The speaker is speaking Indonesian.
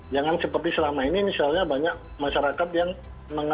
jangan seperti selama ini misalnya banyak masyarakat yang mengalami